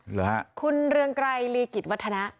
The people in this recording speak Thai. เหรอฮะคุณเรืองไกรลีกิจวัฒนะ